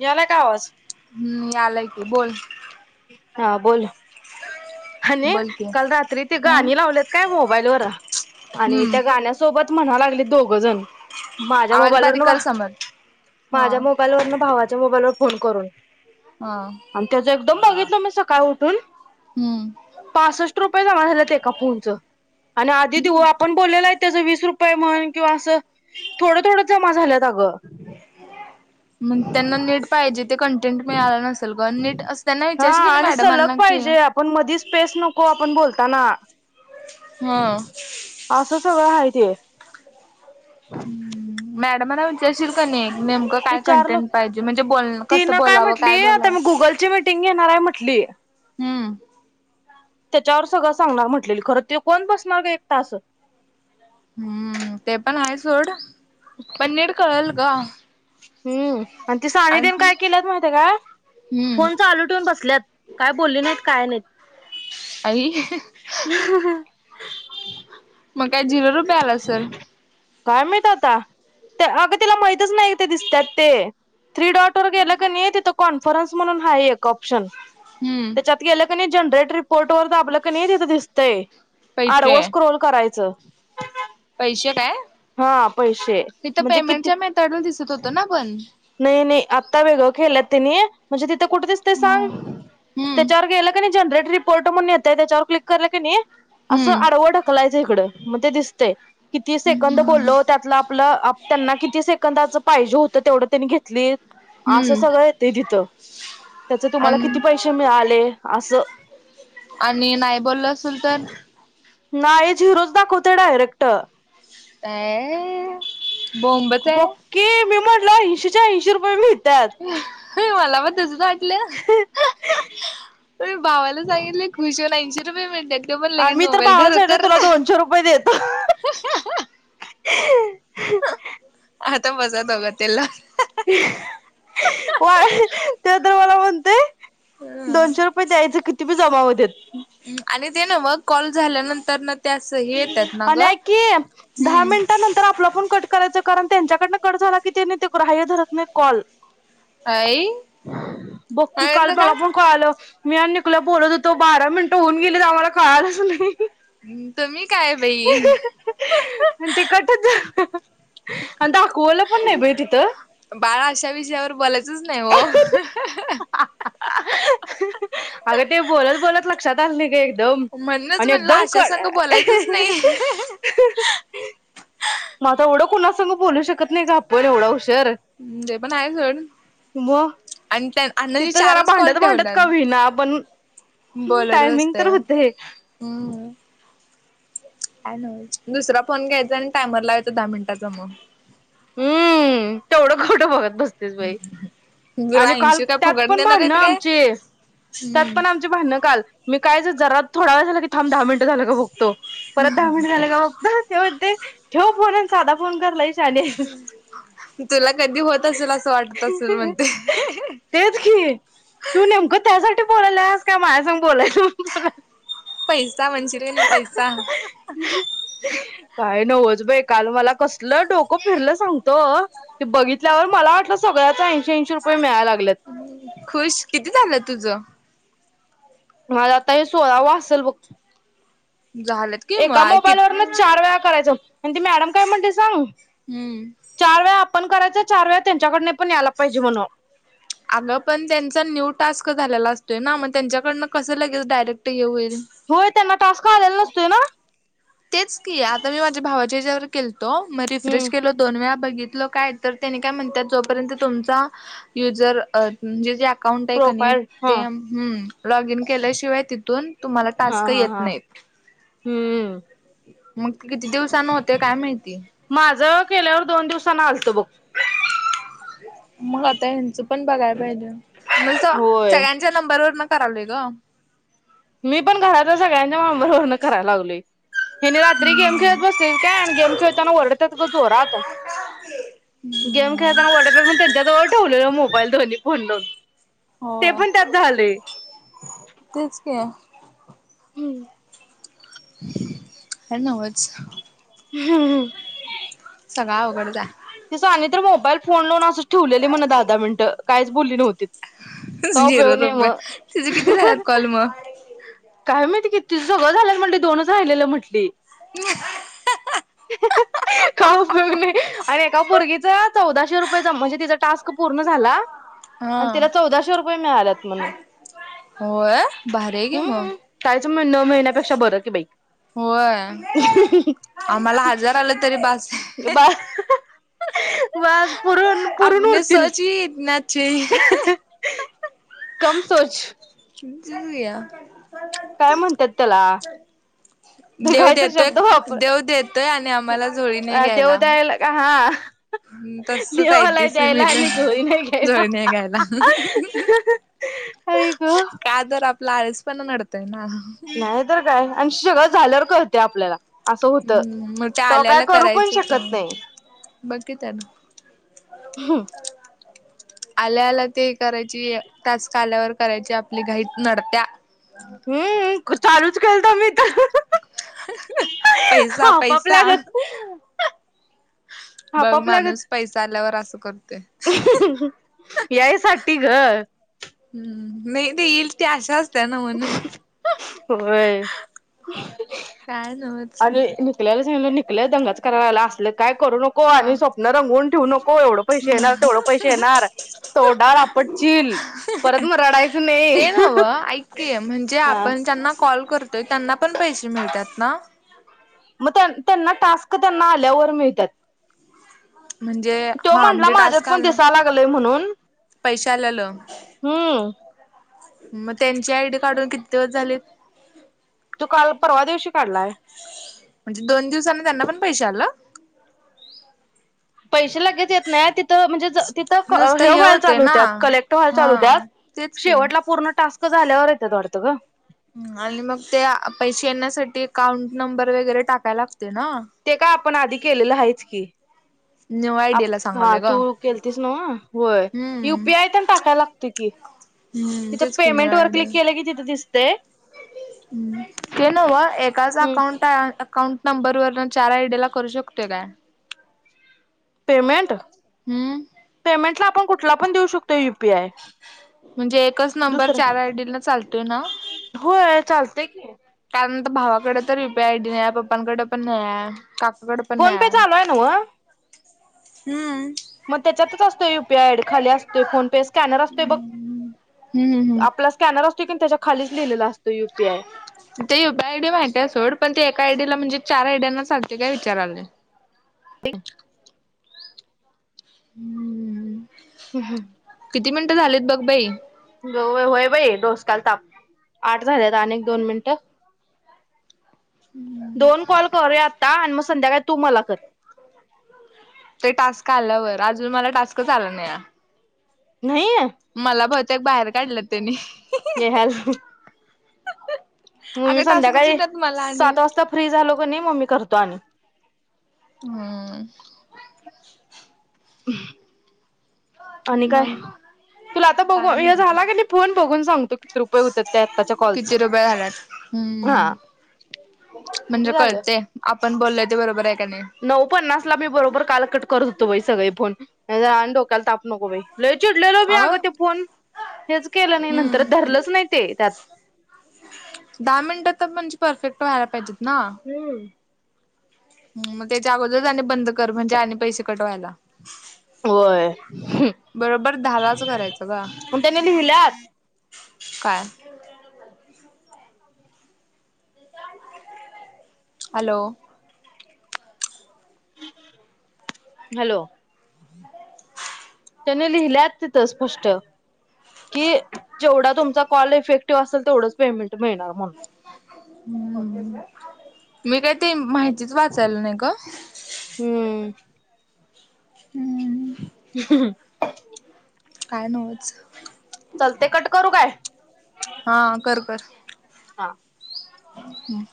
याय ला का आवाज? हम्म आलाय बोल हा बोल आणि बोल की काल रात्री ते गाणी लावलेत काय मोबाईल वर आणि हम्म त्या गाण्यासोबत म्हणाला ले दो जन माझ्या आवाज मोबाईलवरन बारीक कर समज हा माझ्या मोबाईलवरन भावाच्या मोबाईलवर फोन करून हा आणि त्याचा एक एकदम बघितल मी सकाळी उठून हम्म पासष्ट रुपये दा झाल ते एका फोनचं आणि आधी देऊ आपण बोललेला आहे त्याचं वीस रुपये म्हण किंवा, अस थोडं थोड जमा झालंत अगं मग त्यांना नीट पाहिजे ते कंटेंट मिळाला नसेल ग नीट असं त्यांना हा विचारशील की नाही आणि सलग मॅडमांना की पाहिजे, आपण मधीच पेस नको आपण बोलताना हा. सगळ आहे ते हम्म. मॅडमना वि विचारशील का नाही, नेमकं काय विचारलं कंटेंट पाहिजे म्हणजे, ब ती कस न बोलावं म्हटली काय आता बोलावं मी गुगलची मिटिंग घेणार आहे म्हटली हम्म. त्याच्यावर सगळं सांगणार म्हटलेल, खरं ते कोण बसणार का एक तास हम्म ते पण आहे सोड पण नीट कळल ग हम्म आणि ति सान देन आणि काय केल्यात माहिती का हम्म फोन चालू ठेऊून बसल्यात, काय बोलली नाहीत काय नाहीत आई मग काय जिरो रु मिळाला असल काय माहित आता अगं तिला माहितच नाही इथे दिसतात ते थ्री डॉट वर गेलं का नाही तिथं कोण फॉर्म्स म्हणून हा एक ऑप्शन हम्म त्याच्यात गेलं का नाही जनरेट रिपोर्ट डोर दाबलं की, नाही तिथं दिसतंय, आडव पैसे सक्रोल करायचं पैसे काय हा पैसे तिथं म्हणजे किती, पेमेंटच्या मेथडला दिसत होतं ना पण नाही नाही आता वेगळ केल्यात त्यांनी म्हणजे ती ते कुठे दिसते ह सांग, हम्म त्याच्यावर गेलं का नाही, जनरेट रिपोर्ट म्हणून येत ते त्या च्यावर क्लिक करलं की नाही. असं हम्म आडव ढकलाच. दे इकडं मते दिसतय. तेय किती सेकंद बोललो, त्यातलं आपलं त्यांना किती सेकंदाच पाहिजे होतं. तेवढं त्यांनी घेत क्लिप असं हम्म सगळं ते तिथं त्याच तुम्हाला किती आणि पैसे मिळाले असं. आणि नाही बोलल असेल तर. नाही झिरोच दाखवतय डायरेक्ट ट अ बोंबच आहे पके मीम ऐंशी चे ऐंशी रुपए मिळ ह. हो मला वाट. तसं वाटलं मी भावाला सांगितलय खुश होऊन ऐंशी. रुपए मिळत्यात. आम्ही तर भावाला सांगितले तुला दोनशे रुपये देतो. ह आता मजा दोगतला. व त्यो तर मला. ते. दोनशे रुपये द्यायचं किती. ते बी जमा होत्यात. ह आणि ते नव मग कॉल झाल्यानंतरन. आणि ऐक की दहा हम्म मिनिटानंतर आपला पण कट करायच कारण त्यांच्याकडनं कट झाला की ते ग्राहय धरत नाही कॉल आई बक्की काल अ मला का पण कळालं. मी आणि निखल्या बोलत हो तो बारा मिनटं होऊन गेले तर आम्हाला कळालच नाही. हम् आणि ते कटच झालं. आणी दाखवलं. कोण नाही बाई तिथ. बाळा अशा विषयावर बोलायचच नाही हो. अगं ते बोलत बोलत लक्षात आले का एक. म्हणून मला अशा संगट बोलायचं अशा संगट बोलायचं ह म आता एवढं कोुणास बोलू शकत नाही का आपण एवढा उशीर हम् ते पण आहे सोड मग आणि त्या अण्णांनी तिथं जरा चारच कॉल भांडत भांडत ठेवल्यात कावी ना पण बोलत टायमिंग बसतोय तर होत हम्म दुसरा फोन घ्यायचा आणि टायमर लावायचा दहा मिनिटाचा मग हम्म तेवढं खोटं बघत बसतेस बाई तुला आणि काल ऐंशी काय त्यात फुकट पण देणार बाार आहेत ना काय आमचे त्यात पण हम्म आमची बणं काल मी कायच जरात थडा व झाला क ां दहा मिनट झालं ग बग ो परत दहा मिनट झाले का बघ तेव ते ठेव जदा फोन करलाई तुला कधी होत असेल असं वाटत असेल म्हणते बोला का माझ्यास बोलाय पैस म्हणशरे नाही पैसा काय नव्हच बाई काल मला कस डोकं फिरलं सांगत ते बघितल्यावर मला वाटलं सगळ्याच इंश रय मेळा लाग खुश किती झालं तुझ ह आता हे सोला व असल ब झालंत कि एका मग किती मोबाईलवररनच चार वेळा करायच आणि ते मॅडम काय म्हणते सांग हम्म चार वेळा आपण करायच चार वेळा त्यांच्याकड पण यायला पाहिजे म्हणून आग पण त्यांचा न्यू टास्क झालेला असतोय ना मग त्यांच्याकडन कस लगे डयरेक्ट ये होईल होय त्यांना टास्का आलेला नसतोय ना तेच की आता मी माझ्या भावाचे जे तो मग रिफ्रेश हम्म केलो दोन वळा बित काय त्या काय म्हणतात जोपर्यंत तुम युजर म्हणे अकाउंट आहे का नाही प्रोफाईल हा ते् लॉग इन केल्याशिवाय तिथून तुम्हाला हा टास्क हा येत हा नाही. मग किती दिवसान होते काय माहिती. माझ केल्यावर दोन दिवसांना आलतं बघ. [inaudible] मग आता हेचं पण बघाय पाहिजे. मग होय सगळ्यांच्या नंबर वर मग करालोय ग. मी पण घरातल्या सगळ्यांच्या मोबाईल वरण कराय लागलोय. हेनी रात्री गेम खेळत बसलेलीत काय, आणि गेम खेळताना वरडत्यात ग जोरात, गेम खेळताना वरडत्यात म्हणून त्यांच्या जवळचं ठेवलेलो मोबाईल दोन्ही फोन लावून. ते होय पण त्यात झालंय. तेच की. काय न्हवच. [inaudible] सगळ अवघडच हाय. ती सोनी तर मोबाईल फोन लावून असच ठेवलेली म्हण दहा दहा मिनट. काहीच बोलली नव्हतीत, झीरो रुपये. तूझ किती झाल्यात कॉल मग? काय माहीती किती? सगळं झाल्यात म्हटली दोनच राहिलेल म्हटली. [inaudible] काय उपयोग नाही. आणि एका पोरगीच चौदाशे रुपये जमा म्हणजे तिचा टास्क पूर्ण झाला आणि हा तिला चौदाशे रुपये मिळाल्यात म्हण. होय भारी आहे की मग हम्म कायच न मिळण्यापेक्षा बरं कि बाई. होय आम्हाला हजार आलं तरी बास आहे. बास बास पुरून पुरून आपणी उरतील. सोच ही इतना [unintelligible] कम सोच तू य [unintelligible] काय म्हणत्यात त्याला? ते देव काही तर देतोय शब्द वापर देव देतोय आणि आम्हाला झोळी नाही देव घ्यायला. द्यायला का हां. देव तसच आहे आलाय ते द्यायला सुमीला आणि झोळी नाही घ्यायला. झोळी नाही घ्यायला आई ग. का तर आपला आळसपणा नडतोय. ना. नाही तर काय? अन शगळ झाल्यावर कळतंय आपल्याला. असं होत हम्म मग त्या तवा काय करू पण शकत नाही. बाकी तर [unintelligible] आल्याल्या ते करायची, टास्क आल्यावर करायची आपलीं घाईत नडत्या. हम्म ख चालूच. केलता मीच. पैसा पैसा हापापल्यागत बघ माणूस हापापल्यागत पैसा आल्यावर असं करतोय. यायसाठी ग. हम्म नाई ते येईल ते असंच. होय काय नव्हच आणि निकल्याल सांगि लय दंगाच करायला असले काय? करू नको का आणि स्वप्न रंगवून ठेवू नको, एवढं पैशे येणारं तेवढं पैशे येणारं तोंडाला आपटशील परत, मगं रडायचं नाई. ते नव्ह ऐक की म्हंजे आपण ज्यांना कॉ कॉल करत त त्यांना पण पैशे मिळत्यात नां? का त्येना आल्यावर मिळत्यात? म्हणजे तो हा म्हणला म्हणजे माझ्यात टास्क पण आला दिसाय लागलय म्हणून पैसे हम्म. म त्यांची आय डी काढून किती दिवस झालेत? तू काल परवा दिवशी काढलाय? म्हंजे दोन दिवसांनी त्यांना पण पैश आलं! पैशे लगेच येत नाय, तिथं म्हणजे ज तिथं क नुसतं हे व्हायल होते चालू ना होत्यात कलेक्ट व्हायला चालू होत्या हा तेच की शेवटला पूर्ण टास्क क झाल्यावर येत्यात वाटतं ग. आणि मग त्या पैशे येण्यासाठी काउंट नंबर वगैरे टाकायला लागतो. ते काय आपण आधी केलल हायच. की. न्यू आय आप डी ला हा सांगाले ग, तू केलतीस नव्ह होय हम्म युपीआय तेन टाकायला लागतय की हम्म तिथं तेच कि न्यू पेमेंट वर आय डी क्लिक केलं की तिथं दिसतय ते नव्हं एकाच हम्म. अकाउंट आ काउंट नंबर वरण चार आय डी ला करूं शकतोय काय? पेमेंट? हम्म पेमेंटला आपण कुठला पण देऊ शकतोय यु पी आय. म्हंजे एकच नंबर चार आय डी ला चालतोय ना? ते [unintelligible] कारण त भावा कड तर यू पी आय डी नाहीय पप्पांकड पण नाहीय का फोन पे चालू आहे नव? हम्. मग त्याच्यातच असतोय U P I. I D खाली असतोय. फोन पे स्कॅनर असतोय बघ हम्म हम्म हम्म. आपला स्कॅनर अस [inaudible] ते U P I. I D माहिती सोड पण ते एका आयडीला म्हणजे चार आयड्यांना चालते काय विचारालोय. ते हम्म. उ हम्. किती मिनटं झालेत बघ बाई. ग होय बाई डोसक्याला ताप आठ झाल्यात अनेक दोन मिनिटं. दोन कॉल करूया आता आणि म [unintelligible] संध्याकाळी तू मला कर. [inaudible] ते टास्क आल्यावर अजून मला टास्कच आला नाहीयाय. नाहीये? तेक बाहेर काढलेत त्यांनी. तुम्ही अगं टास्कच संध्याकाळी येतात मला आणि सात वाजता फ्री झालो कनी म मी करतो आणि. हम्म. [inaudible] [inaudible] आणि काय? मग तुला आता बघू काय नाही हे झाला बघ कनी फोन बघून सांगतो किती रुपये होत्यात त्या आताच्या कॉलचे. किती रुपये झाल्यात हा हम्म किती म्हणजे झालं? कळते आपण बोललोय ते बरोबर आहे का नाही [inaudible] नऊ पन्नास ला मी बरोबर काल कट करत होतो बाई सगळे फोन. हेजा आणि डोक्याला ताप नको बाई लय चिडलेलो मी अगं ते फोन हेच केलं नाही नंतर हम्म धरलंच नाही ते त्यात दहा मिनटात म्हणजे परफेक्ट व्हायला पाहिजेत. हम्म. ह मग त्याच्या अगोदरच आणि बंद कर म्हणजे आणि पैसे कट व्हायला. होय हुं बरोबर दहालाच करायचं ग [inaudible] पण त्यांनी लिहल्यात काय? [inaudible] हॅलो [inaudible] हॅलो [inaudible] त्यांनी लिहिल्या तिथं स्पष्ट कि जेवढा तुमचा कॉल इफेक्टिव्ह असेल तेवढंच पेमेंट मिळणार म्हणून. हम्म. मी काय [unintelligible] माहितीच वाचायला नाही गं. हम्म हम्म. [inaudible] काय नव्हच चलतय कट करू काय. हा कर कर हा हम्म